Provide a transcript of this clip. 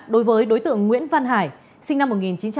đối với đối tượng nguyễn văn hải sinh năm một nghìn chín trăm bảy mươi bảy